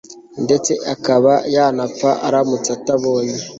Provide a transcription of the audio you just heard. ndetse akaba yanapfa aramutse atabonye